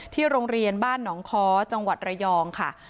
โรงเรียนบ้านหนองค้อจังหวัดระยองค่ะ